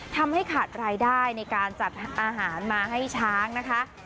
ทำให้ขาดรายได้ในการจัดอาหารมาให้ช้างนะคะ